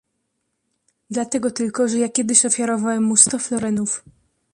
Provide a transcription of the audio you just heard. "Dlatego tylko, że ja kiedyś ofiarowałem mu sto florenów."